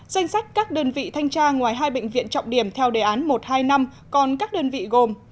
danh sách các đơn vị thanh tra ngoài hai bệnh viện trọng điểm theo đề án một trăm hai mươi năm còn các đơn vị gồm